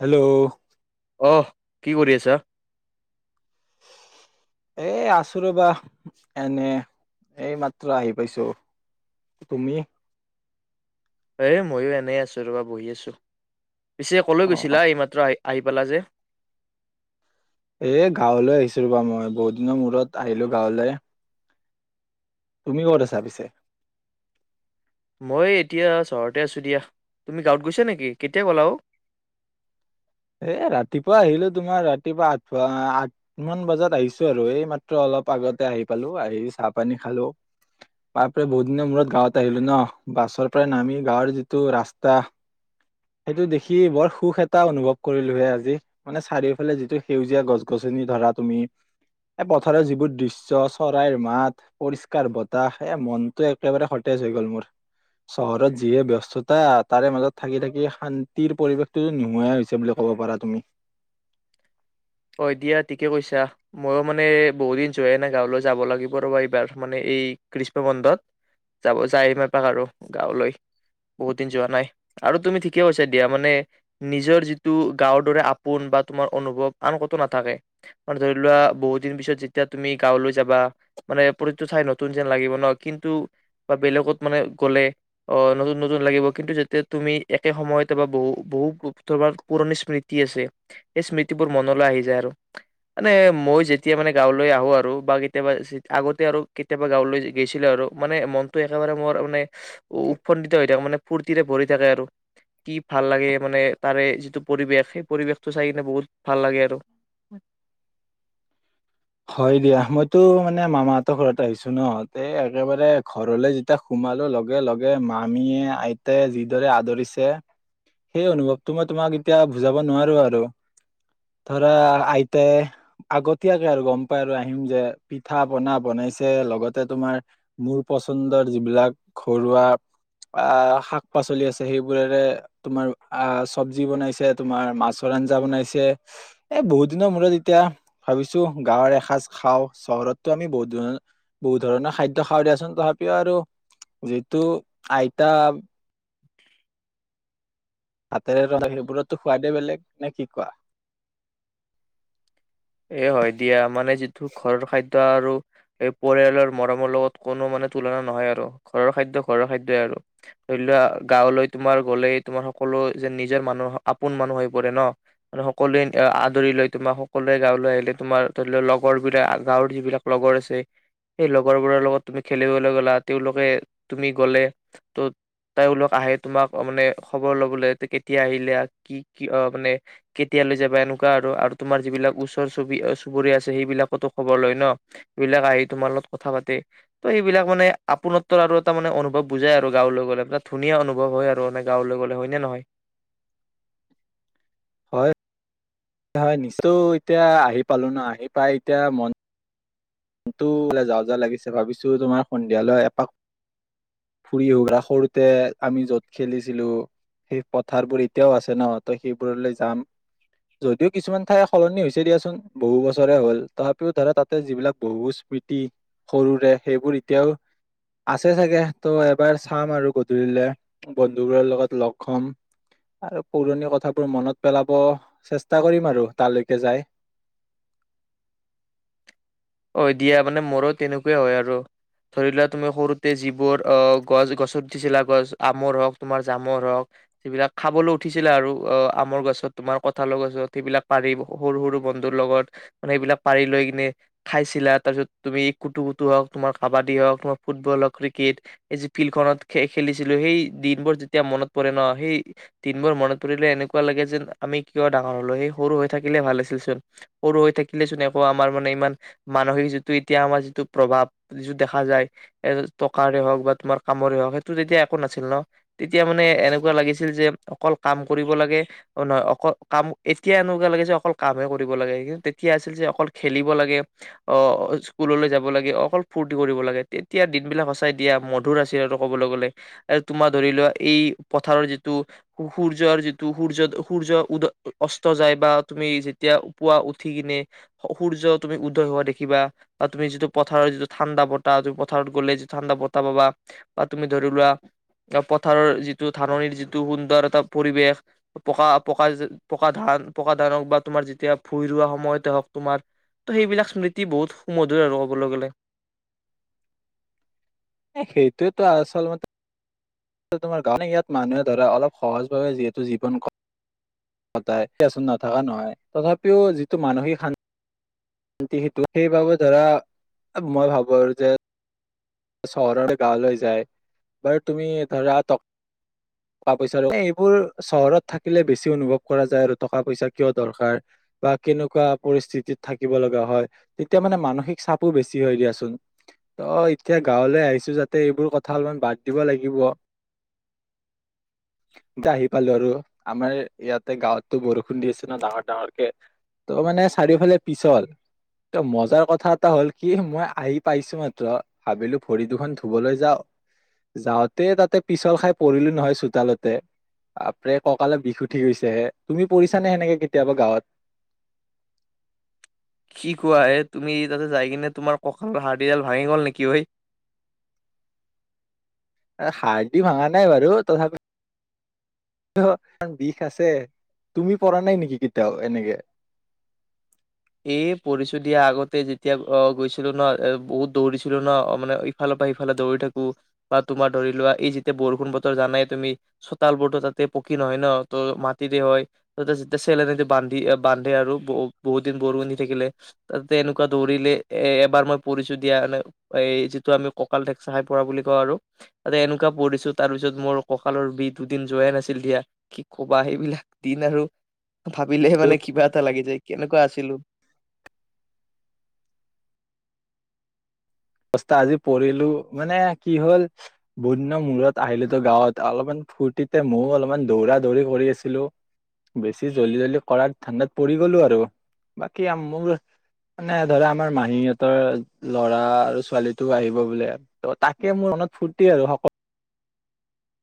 Hello. আহহ কি কৰি আছা। এ আছোঁ ৰ'বা এনে এই মাত্ৰ আহি পাইছো তুমি। এ মইো এনেই আছোঁ ৰব বহি আছো। পিছে কলে অ গৈছিলা এই মাত্ৰ আহ। আহি পেলা যে। এ গাঁৱলৈ আহিছো ৰবা মই বহুত দিনৰ মূৰত আহিলো গাঁৱলৈ। তুমি ক'ত আছা পিছে। মই এতিয়া চহৰতে আছো দিয়া তুমি গাঁৱত গৈছা নেকি কেতিয়া ক'লা অ। এ ৰাতিপুৱা আহিলো তোমাৰ ৰাতিপুৱা আঠুৱা আঠ মান বজাত আহিছো আৰু এই মাত্ৰ অলপ আগতে আহি পালো আহি চাহ পানী খালো তাৰ পৰা বহুত দিনৰ মূৰত গাঁৱত আহিলো ন বাছৰ পৰাই নামি গাঁৱৰ যিটো ৰাস্তা সেইটো দেখি বৰ সুখ এটা অনুভৱ। কৰিলোহে আজি মানে চাৰিওফালে যিটো সেউজীয়া গছ গছনি ধৰা তুমি এ পথাৰৰ যিবোৰ দৃশ্ চৰাইৰ মাত পৰিষ্কাৰ বতাহ এ মনতটো একেবাৰে সতেজ হৈ গল মোৰ চহৰত যিয়ে ব্স্ততা তাৰে মাজত থাকি থাকি শান্তিৰ পৰিৱেশটোো নোহাই হৈছে বুলি ক। ক'ব পাৰা তুমি। অ দিয়া ঠিকে কৈছা মইো মানে বহুত দিন যোৱাইে নাই গাঁৱলৈ যাব লাগিব ৰবা এইবাৰ মানে এই গ্ৰীষ্ম বন্ধত যাব যায় মপাক আৰু গাঁৱলৈ বহুত দিন যোৱা নাই আৰু তুমি ঠিকে কৈছা দিয়া মানে নিজৰ যিটো গাঁৱৰ দৰে আপোন বা তোমাৰ অনুভৱ। আন কত নাথাকে ম ধৰি লোৱা বহু দিন পিছত যেতিয়া তুমি গাঁৱলৈ যাবা মানে প্ৰতিটো ঠাই নতুন যেন লাগিব ন কিন্তু বা বেলেগত মানে গ'লে অ নতুন নতুন লাগিব কিন্তু যেতিয়া তুমি একে সময়তে বা বহু বহু তোমাৰ পুৰণি স্মৃতি আছে সেই স্মৃতি। বোৰ মনলৈ আহি যায় আৰু মানে মই যেতিয়া মানে গাঁৱলৈ আহো আৰু বা কেতিয়াবা আগতে আৰু কেতিয়াবা গাঁৱলৈ গৈছিলো আৰু মানে মনটো একেবাৰে মোৰ মানে উৎফন্দিত হৈ থাকে মানে ফূুৰ্তিৰে ভৰি থাকে আৰু কি ভাল লাগে মানে তাৰে যিটো পৰিৱেশ সেই পৰিৱেশটো চাই কিনে বহুত। ভাল লাগে আৰু। হয় দিয়া মইতো মানে মামাহতৰ ঘৰত আহিছো ন একেবাৰে ঘৰলৈ যেতিয়া সোমালো লগে লগে মামীয়ে আইতাই যিদৰে আদৰিছে সেই অনুভৱটো মই তোমাক এতিয়া বুজাব নোৱাৰো আৰু ধৰা আইতাই আগত। আৰু গম পাই আৰু আহিম যে পিঠা পনা বনাইছে লগতে তোমাৰ মোৰ পচন্দৰ যিবিলাক ঘৰুৱা আহ শাক পাচলি আছে সেইবোৰেৰে তোমাৰ আহ চব্জি বনাইছে তোমাৰ মাছৰ আঞ্জা বনাইছে এই বহুত দিনৰ মূৰত এতিয়া ভাবিছো। গাঁৱৰ এসাঁজ খাওঁ চহৰতটো আমি বহুত ধৰ বহুত ধৰণৰ খাদ্য খাওঁ দিয়াচোন তথাপিও আৰু যিতু আইতা। হাতেৰে ৰ সেইবোৰতো সোৱাদেই বেলেগ নে কি কোৱা। এ হয় দিয়া মানে যিটো ঘৰৰ খাদ্য আৰু এই পৰিয়ালৰ মৰমৰ লগত কোনো মানে তুলনা নহয় আৰু ঘৰৰ খাদ্ ঘৰৰ খাদ্য়ই আৰু ধৰি লোৱা গাঁৱলৈ তোমাৰ গলে তোমাৰ সকলো যে নিজৰ মানুহ আপোন মানুহ হৈ পৰে ন সকলোৱে আদৰি লৈ তোমাৰ সকলো। গাঁৱলৈ আহিলে তোমাৰ ধৰি লও লগৰ বিলাক গাঁৱৰ যিবিলাক লগৰ আছে সেই লগৰবোৰৰ লগত তুমি খেলিবলৈ গ'লা তেওঁলোকে তুমি গ'লে ত তেওঁলোক আহে তোমাক মানে খবৰ ল'বলৈ কেতিয়া আহিলে কি কি মানে কেতিয়াালৈ যাবা এনেকুৱা আৰু আৰু তোমাৰ যিবিলাক। ওচৰ চুবি চুবুৰীয়া আছে সেইবিলাকতো খবৰ লয় ন সবিলাক আহি তোমাৰ লগত কথা পাতে ত' সেইবিলাক মানে আপোনত্তৰ আৰু এটা মানে অনুভৱ বুজাই আৰু গাঁৱলৈ গলে পৰা ধুনীয়া অনুভৱ হয় আৰু মানে গাঁৱলৈ গলে হয় নে নহয়? হয়। হয় নিশ্চয় এতিয়া আহি পালো ন আহি পাই এতিয়া মন। টো যা যা লাগিছে ভাবিছো তোমাৰ সন্ধিয়ালৈ এপাক ফুৰি হুঘৰা সৰুতে আমি যত খেলিছিলো সেই পথাৰবোৰ এতিয়াও আছে ন ত সেইবোৰলৈ যাম যদিও কিছুমান ঠাই সলনি হৈছে দিয়াচোন বহু বছৰে হ'ল তথাপিও ধৰা তাতে যিবিলাক। বহু স্মৃতি সৰুৰে সেইবোৰ এতিয়াও আছে চাগে ত' এবাৰ চাম আৰু গধূলে বন্ধুবোৰৰ লগত লগ হম আৰু পুৰণি কথাবোৰ মনত পেলাব চেষ্টা কৰিম আৰু তালৈকে যায়। অ দিয়া মানে মোৰো তেনেকুৱাই হয় আৰু ধৰি লোৱা তুমি সৰুতে যিবোৰ অ গছ গছত উঠিছিলা গছ আমৰ হওক তোমাৰ জামৰ হওক যিবিলাক খাবলৈ উঠিছিলা আৰু অ আমৰ গছত তোমাৰ কঠালৰ গছত সেইবিলাক পাৰি সৰু সৰু বন্ধুৰ লগত মানে সেইবিলাক পাৰি লৈ কিনে। খাইছিলা তাৰপিছত তুমি কুটু কুু হওক তোমাৰ কাবাডী হওঁক তমাৰ ফুটবল হওঁক ক্ৰিকেট এই যি ফিল্ডখনত খেলিছিলো সেই দিনবোৰ যেতিয়া মনত পৰে ন সেই দিনবোৰ মনত পৰিলে এনেকুৱা লাগে যেন আমি কিয় ডাঙৰ হলো সেই সৰু হৈ থাকিলে ভাল আছিল চোন সৰু হৈ থাকিলেচোন একো আমাৰ মানে ইমান। মানসিক যিটো এতিয়া আমাৰ যিটো প্ৰভাৱ যিটো দেখা যায় টকাৰে হওক বা তোমাৰ কামৰে হওঁক সেইটো যেতিয়া একো নাছিল ন তেতিয়া মানে এনেকুৱা লাগিছিল যে অকল কাম কৰিব লাগে নহয় অকল কাম এতিয়া এনেকুৱা লাগে যে অকল কামে কৰিব লাগে কিন্তু তেতিয়া আছিল যে অকল খেলিব লাগে। অ স্কুললৈ যাব লাগে অকল ফূুৰ্তি কৰিব লাগে তেতিয়া দিনবিলাক সঁচাই দিয়া মধুৰ আশিৰ আৰু কবলৈ গলে তোমাৰ ধৰি লোৱা এই পথাৰৰ যিটো সূৰ্যৰ যিটো সূৰ্য সূৰ্য উদ অস্ত যায় বা তুমি যেতিয়া পুৱা উঠি কিনে সূৰ্য তুমি। হোৱা দেখিবা বা তুমি যিটো পথাৰৰ যিটো ঠাণ্ডা বতাহ তুমি পথাৰত গ'লে যিটো ঠাণ্ডা বতাহ পাবা বা তুমি ধৰি লোৱা পথাৰৰ যিটো ধাননিৰ যিটো সুন্দৰ এটা পৰিৱেশ পকা পকা পকা ধান পকা ধান হক বা তুমাৰ যেতিয়া ভুই ৰা সময়তে হওক তোমাৰ ত সেইবিলাক। স্মৃতি বহুত সুমধুৰ আৰু ক'বলৈ গ'লে। সেইটোোৱয়েেতো আচল মতে। তোমাৰ গানে ইয়াত মানুহে ধৰা অলপ সহজভাৱে যিহেতু জীৱন ক। সদাই সেই আচল নথকা নহয় তথাপিও যিটো মানসিক শান্তি শান্তি সেইটো সেইবাবে ধৰা মই ভাবো আৰু যে। চহৰৰে গাঁৱলৈ যায় বাৰু তুমি ধৰা টকা পইচা এইবোৰ চহৰত থাকিলে বেছি অনুভৱ কৰা যায় আৰু টকা পইচা কিয় দৰকাৰ বা কেনেকুৱা পৰিস্থিতিত থাকিব লগা হয় তেতিয়া মানে মানসিক চাপো বেছি হয় দিয়াচোন ত। এতিয়া গাঁৱলৈ আহিছো যাতে এইবোৰ কথা অলপমান বাদ দিব লাগিব। এতিয়া আহি পালো আৰু আমাৰ ইয়াতে গাঁৱতটো বৰষুণ দি আছে ন ডাঙৰ ডাঙৰকে ত' মানে চাৰিওফালে পিছল ত মজাৰ কথা এটা হ'ল কি মই আহি পাইছো মাত্ৰ। ভাবিলো ভৰি দুখন ধুবলৈ যাওঁ যাওঁতে তাতে পিছল খাই পৰিলো নহয় চোতালতে বাপৰে ককালে বিষ উঠি গৈছে হে তুমি পৰিছানে সেনেকে কেতিয়াবা গাঁৱত। কি কোৱা এ তুমি তাতে যাই কিনে তোমাৰ ককালৰ হাৰডিডাল ভাঙি গল নেকি ঐ? হাৰডি ভাঙা নাই বাৰু তথাপি বিষ আছে তুমি পৰা নাই নেকি কেতিয়াও এনেকে। এ পৰিচয় দিয়া আগতে যেতিয়া আহ গৈছিলো ন এ বহুত দৌৰিছিলো ন মানে ইফালৰ পৰা সিফালে দৌৰি থাকো বা তোমাৰ ধৰি লোৱা এই যেতিয়া বৰষুণ বতৰ জানাই তুমি চোতাল বোৰতো তাতে পকী নহয় ন ত মাটিতে হয় ত যেতিয়া চেলেনিদি বান্ধি বান্ধে আৰু ব বহুত। বৰষুণ দি থাকিলে, তাতে এনেকুৱা দৌৰিলে এ এবাৰ মই পঢ়িছোঁ দিয়া মানে এ যিটো আমি কঁকাল ফেকচাৰ খাই পঢ়া বুলি কওঁ আৰু তাতে এনেকুৱা পঢ়িছো তাৰপিছত মোৰ কঁকালৰ বিষ দুদিন যোৱাই নাছিল দিয়া কি কবা সেইবিলাক দিন আৰু। ভাবিলেহে তো মানে কিবা এটা লাগি যায়। কেনেকুৱা আছে? হেল্ল। বস্তা আজি পৰিলো মানে কি হল বহু দিনৰ মূৰত আহিলো তো গাঁৱত অলপমান ফূৰ্তিতে ময়ো অলপমান দৌৰা দৌৰি কৰি আছিলো বেছি জলদি জলদি কৰা ধান্দাত পৰি গলো আৰু বাকী আ মোৰ মানে ধৰা আমাৰ মাহীহঁতৰ লৰা আৰু ছোৱালী টো আহিব বোলে ত তাকে মোৰ মনত ফূৰ্তি আৰু সকলো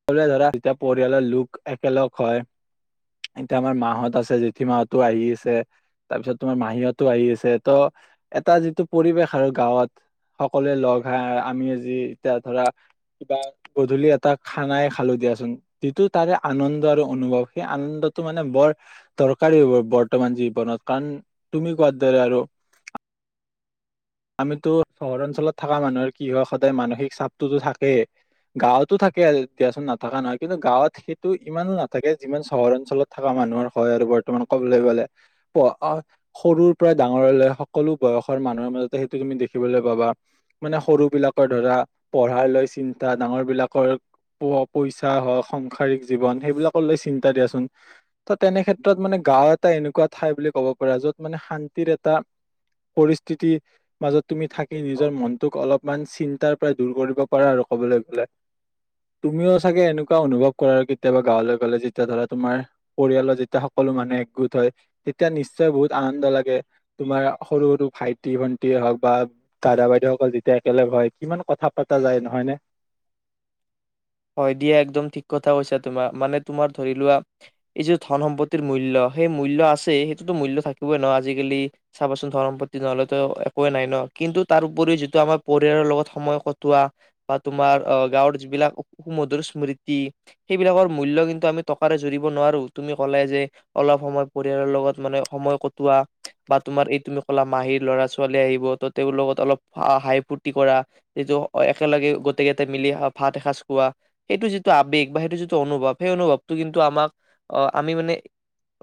সকলোৱে ধৰা যেতিয়া পৰিয়ালৰ লোক একেলগ হয় এতিয়া আমাৰ মাহত আছে জেঠী মাহতো আহি আছে তাৰপিছত তোমাৰ মাহীতো আহি আছে ত এটা যিটো পৰিৱেশ আৰু গাঁৱত সকলোৱে লগ খাই আমি আজি এতিয়া ধৰা কিবা গধূলি এটা খানাই খালো দিয়াচোন যিটো তাৰে আনন্দ আৰু অনুভৱ সেই আনন্দটো মানে বৰ দৰকাৰী হব বৰ্তমান জীৱনত কাৰণ তুমি কোৱাৰ দৰে আৰু আমিতো চহৰ অঞ্চলত থকা মানুহৰ কি হয় সদায় মানসিক চাপটোতো থাকেই গাঁৱতো থাকে আৰু দিয়াচোন নাথাকা নহয় কিন্তু গাঁৱত সেইটো ইমানো নাথাকে যিমান চহৰ অঞ্চলত থকা মানুহৰ হয় আৰু বৰ্তমান কবলৈ গলে প সৰুৰ পৰা ডাঙৰলৈ সকলো বয়সৰ মানুহৰ মাজত সেইটো তুমি দেখিবলৈ পাবা মানে সৰু বিলাকৰ ধৰা পঢ়াই লৈ চিন্তা ডাঙৰ বিলাকৰ পোৱা পইচা হওক সংসাৰিক জীৱন সেইবিলাকক লৈ চিন্তা দিয়াচোন ত তেনে ক্ষেত্ৰত মানে গাওঁ এটা এনেকুৱা ঠাই বুলি কব পাৰা যত মানে শান্তিৰ এটা পৰিস্থিতি মাজত তুমি থাকি নিজৰ মনটোক অলপমান চিন্তাৰ পৰা দূৰ কৰিব পাৰা আৰু কবলৈ গলে তুমিও চাগে এনেকুৱা অনুভৱ কৰা আৰু কেতিয়াবা গাঁৱলৈ গলে যেতিয়া ধৰা তোমাৰ পৰিয়ালৰ যেতিয়া সকলো মানুহ একগোট হয় তেতিয়া নিশ্চয় বহুত আনন্দ লাগে তোমাৰ সৰু সৰু ভাই টি ভণ্টিয়ে হওক বা দাদা বাইদেউসকল যেতিয়া একেলগ হয় কিমান কথা পতা যায় নহয় নে হয় দিয়া একদম ঠিক কথা কৈছা তোমাৰ মানে তোমাৰ ধৰি লোৱা এই যি ধন সম্পত্তিৰ মূল্য সেই মূল্য আছে সেইটোতো মূল্য থাকিবই ন আজিকালি চাবাচোন ধন সম্পত্তি নহলেতো একোৱেই নাই ন কিন্তু তাৰ উপৰি যিটো আমাৰ পৰিয়ালৰ লগত সময় কটোৱা বা তোমাৰ অ গাঁৱৰ যিবিলাক মধুৰ স্মৃতি সেইবিলাকৰ মূল্য কিন্তু আমি টকাৰে জুৰিব নোৱাৰো তুমি ক'লে যে অলপ সময় পৰিয়ালৰ লগত মানে সময় কটোৱা বা তোমাৰ এই তুমি কলা মাহীৰ ল'ৰা ছোৱালী আহিব ত তেওঁৰ লগত অলপ হাই ফূৰ্তি কৰা এইটো একেলগে গোটেইকেইটটা মিলি ভাত এসাঁজ কোৱা সেইটো যিটো আবেগ বা সেইটো যিটো অনুভৱ সেই অনুভৱটো কিন্তু আমাক অ আমি মানে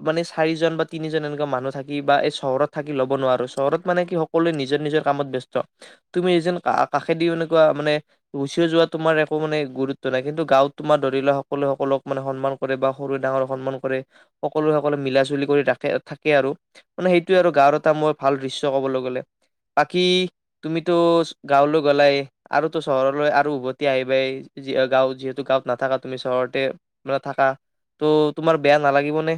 মানে চাৰিজন বা তিনিজন এনেকুৱা মানুহ থাকি বা এই চহৰত থাকি লব নোৱাৰো চহৰত মানে কি সকলোৱে নিজৰ নিজৰ কামত ব্যস্ত তুমি এ যেন কাষেদি এনেকুৱা মানে গুচি যোৱা তোমাৰ একো মানে গুৰুত্ব নাই কিন্তু গাঁওত তোমাৰ ধৰি লোৱা সকলো সকলক মানে সন্মান কৰে বা সৰুৱে ডাঙৰক সন্মান কৰে সকলো সকলে মিলা চুলি কৰি ৰাখে থাকে আৰু মানে সেইটোৱে আৰু গাঁৱৰ এটা মোৰ ভাল দৃশ্য ক'বলৈ গ'লে বাকী তুমিতো গাঁৱলৈ গ'লাই আৰুতো চহৰলৈ আৰু উভতি আহিবাই যিয়ে গাঁও যিহেতু গাঁৱত নাথাকা তুমি চহৰতে মানে থাকা ত' তোমাৰ বেয়া নালাগিব নে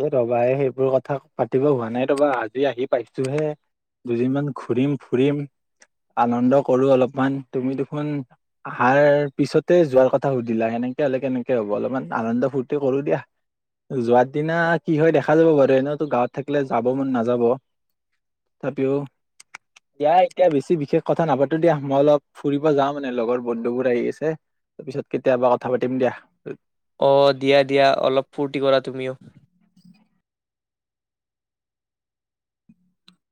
এ ৰবা সেইবোৰ কথা পাতিব হোৱা নাই ৰবা আজি আহি পাইছোহে দুদিনমান ঘুৰিম ফুৰিম আনন্দ কৰো অলপমান তুমি দেখোন আহাৰ পিছতে যোৱাৰ কথা সুধিলা সেনেকে হলে কেনেকে হ'ব অলপমান আনন্দ ফুৰ্তি কৰো দিয়া যোৱাত সিদিনা কি হয় দেখা যাব বাৰু এনেওঁতো গাঁৱত থাকিলে যাব মন নাযাব তথাপিও দিয়া এতিয়া বেছি বিশেষ কথা নাপাতো দিয়া মই অলপ ফুৰিব যাওঁ মানে লগৰ বন্ধুবোৰ আহি আছে তাৰপিছত কেতিয়াবা কথা পাতিম দিয়া অ দিয়া দিয়া অলপ ফূৰ্তি কৰা তুমিও